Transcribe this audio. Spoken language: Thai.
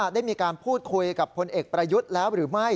ได้มีการพูดคุยกับพลเอกประยุทธ์แล้วหรือไม่